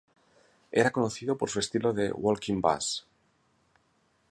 Era conocido por su estilo de "walking bass".